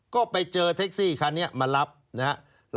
ก็ไปเจอแท็กซี่คันนี้มารับนะครับ